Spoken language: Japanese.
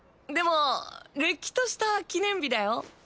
でもれっきとした記念日だよ。